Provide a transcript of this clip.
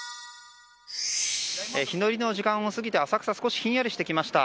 日の入りの時間を過ぎまして浅草はひんやりしてきました。